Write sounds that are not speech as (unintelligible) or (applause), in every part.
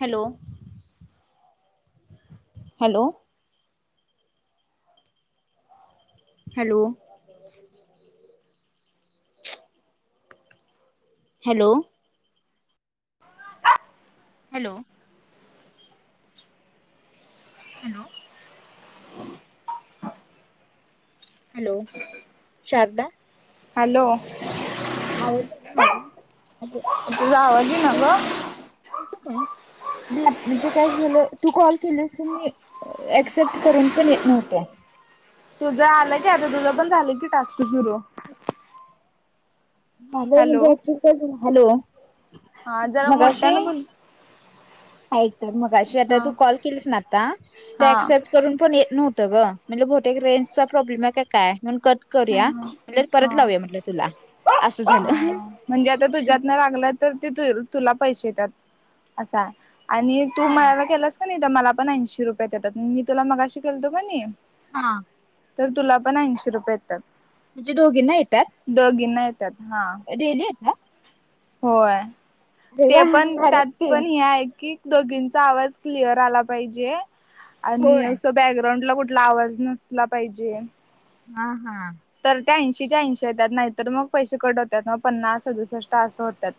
Hello. Hello. Hello. Hello. Hello. (inaudible) Hello. Hello Sharda. Hello. ह आवज झाला माझा तुझा आवाज येईना ग त म्हणजे काय झालं तू कॉल केली अस मी ऍक्सेप्ट करून पण येत नव्हत्या. तुझं आलं की आता तुझं पण झालं कि टास्क सुरू. माझ हॅलो म्हणजे ऍक्चली हॅलो. हा जरा मगाशी मोठ्यानं बोल ऐक तर मगाशी आता हा तू कॉल केलीस ना आता ते हा ऍक्सेप्ट करून पण न्ह ग म्हणजे भोटे एक रेंजचा प्रॉब्लेम आहे काय? म्हणून कट हा करूया हा म्हणज परत हा लावूया म्हटलं तुला असं झालं. हा म्हणजे आता तुझ्यातन लागलं तर ते तुला पैसे येतात असा आहे. आणि तू हा मला केलास का नाही तर मला पण ऐंशी रुपये देतात मी तुला मगाशी केलतो कणी. हा. तर तुला पण ऐंशी रुपये. येतात म्हणजे दोघीना येतात. त्यात. डेली येतात? होय अरे वा! ते पण भारीच त्यात की. पण हे आहे की दघींचा आवाज क्लिअर आला पाहिजे आणि होय. असं बॅकग्राउंड तला कुठला आवाज नसला पाहिजे. ह हा. तर त्या ऐंशीच्या ऐंशी येत्याात नाही तर मग पैसे कट होतात मग पन्नास सदुसष्ट असं होतात.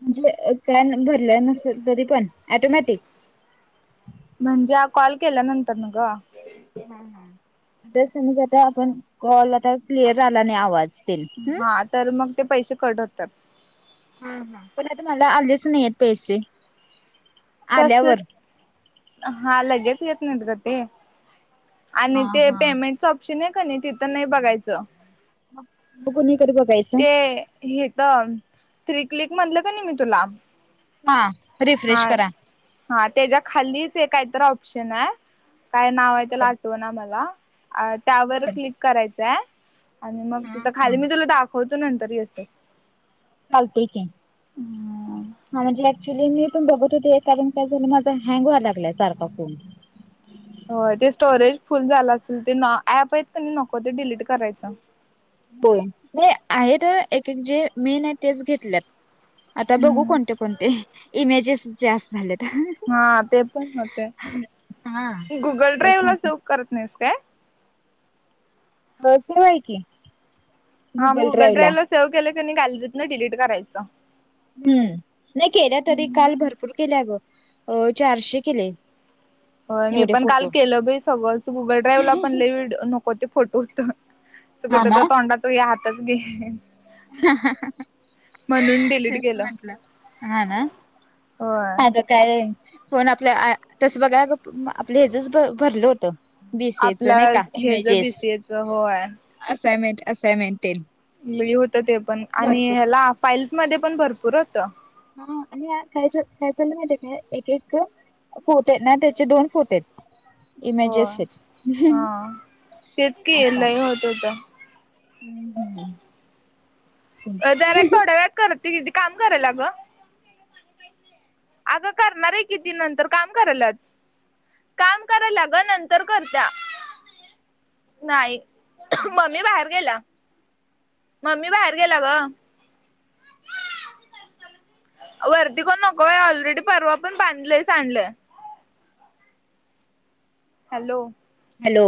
म्हणजे काय भरलं नसेल तरी पण ऑटोमॅटिक. म्हणजे कॉल केला नंतर न ग. ह हस मता आपण कल क्लिअर झाला नाही आवाज ते हा तर मग ते पैसे कट होतात. हा हा पण आता मला आलेच नाही आहेत पैसे तस आल्यावर. हा लगेच येत नाहीत का ते हा आणि ते हा. पेमेंटच ऑप्शन आहे क नाही तिथं नाही बघायचं मग कुणीकडे बघायचं? ते हेत थ्री क्लिक म्हणलं का नाही मी तुला. हा रिफ्रेश हा करा. हा त्याच्या खालीच एकहीतर ऑप्शन आहे काय नाव आहे त्याला बर आठव ना मला. अ त्यावर बर. क्लिक करायचं. आणि मग हा तिथ खाली हा. मी तुला दाखवतो नंतर येसस. चालते की हा म्हणजे. क्च्युली मी पण बघत होते एखादन काय झालं माझा हँग व्हा लागलाय सारखा फोन. हो ते स्टोरेज फुल झालं असेल ते ऍप आहेत क नको ते डिलीट करायचं. होय नाही आहेत एक जे मेन आहे तेच घेतल्यात आता बघू हम्म कोणते कोणते इमेजेस जास् झाले हा ते पण होते हा. गुगल तेच ड्राईव्ह ला आता सेक करत नाहीस काय ब शवा आहे की हा मग गुगल ड्राईव्ह ला सेव्ह केलं की घालजत ना डिलीट करायचं हम्म नाही केल्या तरी काल भरपूर केल्या गं अ चारशे केले हो मी एवढे पण काल फोटो. केलं सगळ गुगल ड्राईव्ह ला पण ल नको ते फोटो तर हा कुठ तर तोंडाच घ हातच घे ह म्हणून डिलीट तेच केलं म्हटलं हा ना होय. आता काय फोन आप तस बघा आपलं हजच भरलं होत बीसीएच नाही आपलं का हे ज इमेजेस बीसीएच होय. असनमेंट असइनमेंटे होत ते पण आणि ह्याला फाईल्स मध्ये पण भरपूर होत हा आणि कायच काय चाललं मा काय एक एक फोटे आहेत ना त्याचे दोन फोटे आहेत होय इमेजश अस हा तेच की हम्म लई होत होत. हम्म जरक थोड्या वेळात करत त किती काम करायला ग अगं करणार आहे किती नंतर काम कलच काम करायला ग नंतर करत्या नाही मम्मी बाहेर गेला मम्मी बाहेर गेला ग वरती कोण नको ऑलरेडी परवा पण बांधलं स आणलं हॅलो हॅलो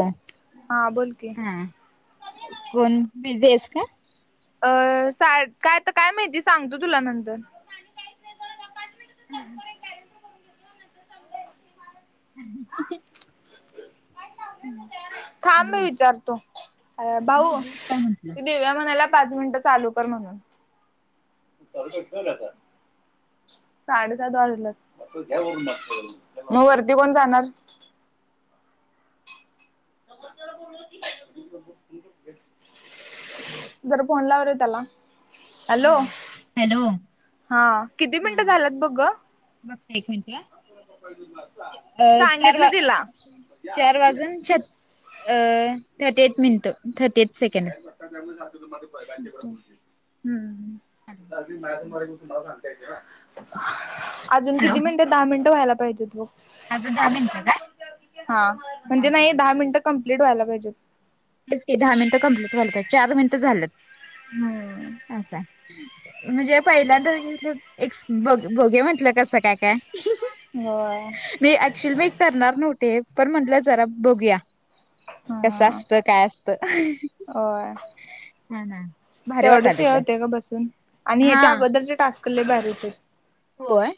हा बोल की हा कोण बझीस का अ सा काय आता काय माहिती सांगतो तुला नंतर हम् हम (unintelligible) (unintelligible) थांब हॅलो मी विचारतो अ भाऊ बिझी आहेस का म्हटलं? ती दिव्या म्हणायला पाच मिनट चालू कर म्हणून साडेसात वाजला मग वरती कोण जाणार (inaudible) जर फोन लाव रे त्याला हॅलो हॅलो हा किती मिनिटं हा झाल्यात बघ बघते एक मिनिट हा सांगितलं तिला चार वाजून छ अ thirty eight minute thirty eight second hmm hello hmm अजून किती मिनिटे दहा मिनिटं व्हायला पाहिजेत. अजून दहा मिनिटं काय? हा हा म्हणजे नाही दहा मिनट कमप्लीट व्हायला पाहिजे ते दहा मिनटं कंप्लीट व्हायला पाहिजे का चार मिनिट हम्म. झालंत आता म्हणजे पहिल्यांद एक बघुया म्हटलं कसं काय होय काय ऍक्च्युली मी करणार नव्हते पण म्हंटलं जरा बघूया कसं हा असत. तर होय भारी तेवढंच वाटालय हे पण. होतेग बसून आणि हा ह्याच्या अगोदरचे टास्कले भारी होते. होय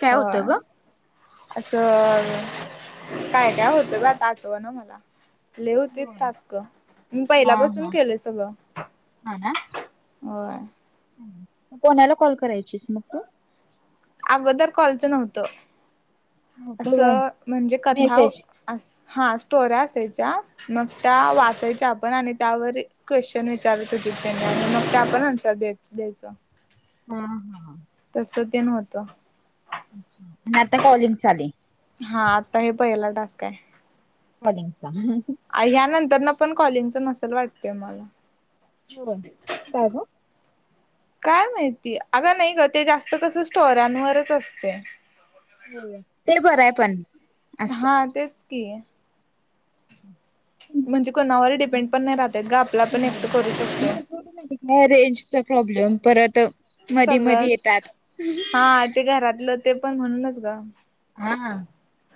काय होय. होतं ग असं काय काय होतं? ग आता आठवा ना मला. लय होतीत. होय. टास्क मी पहिला हा बसून हा केलेयं सगळं. हा ना होय. कोणाला कॉल करायचीस मग तू? अगोदर कॉलच नव्हतं. नव्हतं व्हय असं म्हणजे कथा मेसेज. अस हा स्टोऱ्या असायच्या. मग त्या बर वाचायच्या आपण आणि त्यावर क्वेश्चन विचारत होती, त्यांनी आणि मग त्या पण अन्सर द द्यायचं. हा हा ह. तस ते नव्हतं. आणि आता कॉलिंग चालू हा आता हे पहिला टास्क आहे. (unintelligible) ह्यानंतर ना पण कॉलिंगचा नसलं, वाटतेय मला. बरं काय ग? काय माहिती अगं! नाही गं ते जास्त कसं स्टोर्यांवर असतय. हो ते बरं आहे पण हा, तेच की. (inaudible) (unintelligible) म्हणजे कोणावर डिपेंड पण नाही राहत ग आपला पण एकट करू शकतोय रेंज चा प्रॉब्लेम. परत मधी मधी सगळंच, येतात हा ते घरातलं ते पण म्हणूनच गं. हा,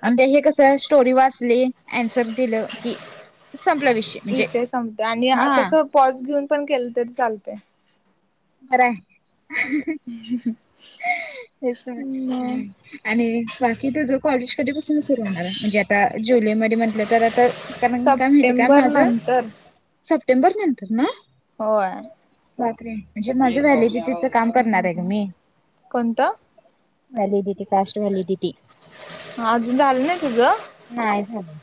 आ हे कसं स्टोरी वाचली. अन्सर दिलं की संपला विषय म्हणजे आणि हा कसं पॉज घेऊन, पण केलं तरी चालते. बरं आहे. हेच म नाही, आणि बाकी तू जो कधीपसून सुरू होणार आहे. म्हणजे, आता जुलैमध्ये म्हटलं, तर आता कारण काय माहितीय का सप्टेंबर माझं? (inaudible) सप्टेंबर नंतर, ना होय. रात्री. ते माझं व्ह्यालिडेटेचं काम काम करणार आहे, गं हम्म मी. कोणतं व्हॅलिडीटी कास्ट व्हॅलिडीटी अजून झालं नाही तुझं? नाही झालं.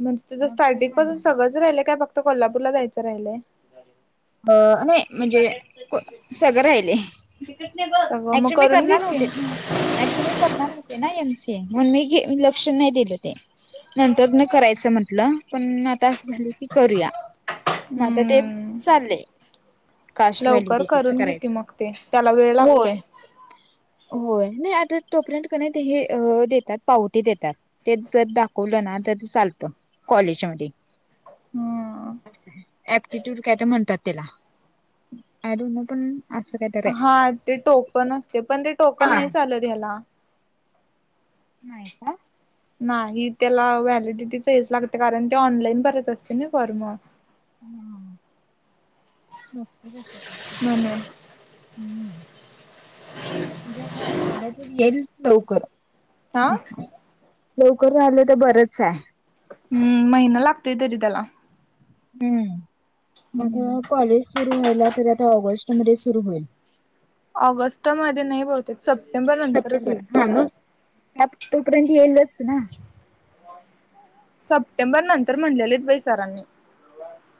म्हणजे, तुझं मग ते स्टार्टिंग पासून करणार सगळंच राहिलंय काय? फक्त कोल्हापूरला जायचं राहिलय. अं नाही, म्हणजे सगळं राहिलंय. सगळं मग ऍक्च्युली मी करून घे करणार की होते. ऍक्च्युली मी करणार होते ना एमसी म्हणून, मी लक्ष नाही दिलं ते. नंतर नाही करायचं म्हंटलं? पण आता असं झालं की करूया मग आता ते हम्म. चाललंय. कास्ट लवकर व्हॅल्यू (unintelligible) करून घे की करायच मग ते त्याला वेळ होय. लागतोय होय नाही. आता तोपर्यंत क नाही, हे देतात पावती देतात. ते जर दाखवलं ना चालतं काॅलेज मध्ये हम्म. (unintelligible) म्हणतात. त्याला (unintelligible) तर आहे हा, ते टोकन असते. पण ते टोकन हा नाही चालत ह्याला. नाही का? नाही त्याला व्हॅलिडिटीच हेच लागते. कारण ते ऑनलाईन भरायचा असतोयं. ना फॉर्म. (unintelligible) म्हणून म्हणजे, आता आला तर येईल लवकर. आ असं. लवकर झालं, तर बरंच आहे. हं महिना लागतोय, तरी त्याला. हं म्हटलं कॉलेज सु रु व्हायला तर आठवडा, ऑगस्ट मध्ये‌‌ सुरू होईल. ऑगस्ट मध्ये नाही बहुतेक, सप्टेंबर नंतरच होईल. ऍप तोपर्यंत येईलच ना सप्टेंबर नंतर म्हणलेले आहेत बाई सरांनी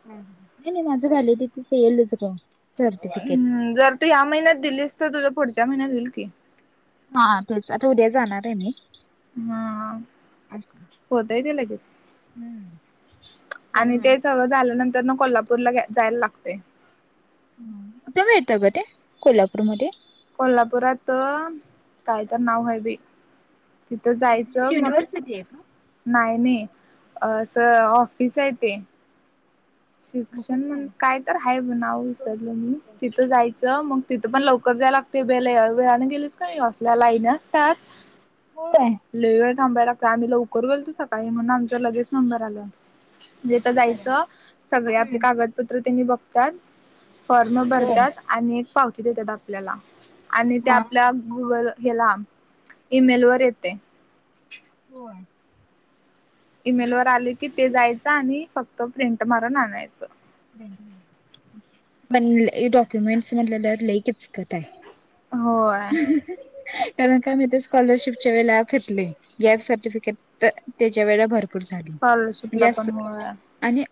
नाही, नाही, माझं व्हॅलिडीटी तिथं येईलच ग. सर्टिफिकेट. हं जर तु ह्या महिन्यात दिलीस तर तुझ पुढच्या महिन्यात होईल की हा तेच आता उद्या जाणार आहे मी हा होतंय ते लगेच. हम्म आणि ते सगळं झाल्यानंत तर ना कोल्हापुरला, जायला लागतेय. कुठं भेटत ग ते कोल्हापूरमध्ये कोल्हापुरात काय तरी नाव आहे बई तिथं जायचं मग युनिव्हर्सिटी आहे का? नायने असं ऑफिस आहे ते शिक्षण ऑफिस म्हण आहे. काय तर आहे ब नाव विसरलं मी तिथं जायचं मंग तिथं पण लवकर जाय लागते, बे वेळाने गेलीस कनी असल्या लाईन असतात होय लय वेळ थांबाय लागत आम्ही लवकर गेलतो सकाळी म्हणून आमचा लगेच नंबर आला. म्हणजे ईथ बरं जायचं, सगळे आपले हम्म कागदपत्र त्यांनी बघतात फॉर्म बर भरतात आणि एक पावती देतात आपल्याला आणि ते हा आपल्या गुगल ह्याला ईमेल वर येते. होय! ईमेल वर आले कि ते जायचं, आणि फक्त प्रिंट मारून आणायचं. म्हण ल हे डॉक्युमेंटस, म्हणलं लई किचकट आहे. होय! कारण काय माहितीये, स्कॉलरशिप चे वेळ ला फितले, गॅप सर्टिफिकेट, त त्याच्या वेळेला भर पूर झाली स्कॉलरशिपला जास्त पण होय आणि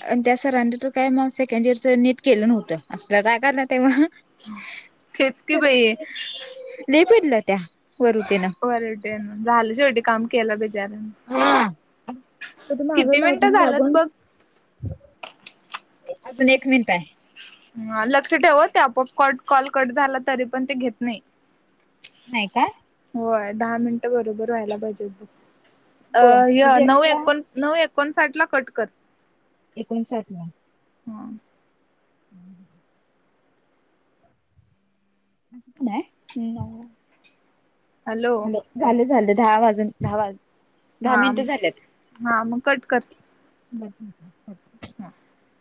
आणि त्या सरांनी तर काय मग, सेकंड इयरच नीट केलं नव्हतं, असल काय करं अं हं तेच की बाई नही पडणार त्या वरुतेन ओव्हरटेन झालं शेवटी काम केलं बिचाऱ्यान. शेवटी मागं लागून, लागून अजून एक मिनिटं आहे. ह लक्ष ठेव अ त्या आपोआप कॉट कॉल कट झाला तरी पण ते घेत नाही. नाही काय. होय दहा मिनिटं बरोबर व्हायला पाहिजे अ होय य म्हणजे नऊ एक्स्ट्रा एकोन नऊ ऐक कोणसाटला कट कर एकोणसाठ ला! हा! (inaudible) न्या नो हॅलो झालं, झाले, झाले. दहा वाजून, दहा वाजून झा हा हा मग कट कर. (inaudible) (unintelligible)